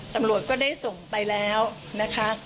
ตำรวจก็ได้ส่งไปแล้วนะคะ